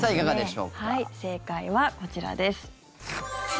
正解はこちらです。